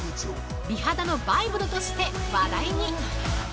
美肌のバイブルとして話題に。